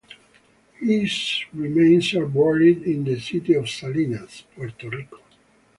His remains are buried in the city of Salinas, Puerto Rico.